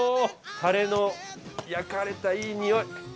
タレの焼かれたいい匂い。